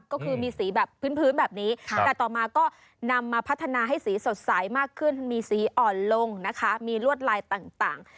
ก็คือมีสีแบบพื้นแบบนี้แต่ต่อมาก็นำมาพัฒนาให้สีสดใสมากขึ้นมีสีอ่อนลงนะคะมีลวดลายต่าง